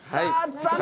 残念。